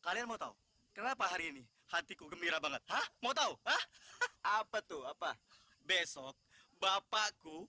kalian mau tahu kenapa hari ini hatiku gembira banget hah mau tahu ah apa tuh apa besok bapakku